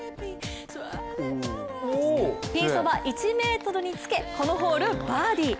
ピンそば１ｍにつけこのホール、バーディー。